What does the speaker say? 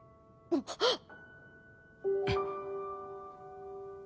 あっ。